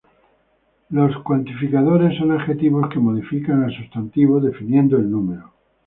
Los cuantificadores son adjetivos que modifican al sustantivo, definiendo el número.